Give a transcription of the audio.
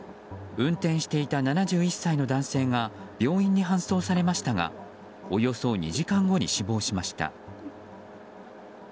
運転していた７１歳の男性が病院に搬送されましたがおよそ２時間後に死亡しました。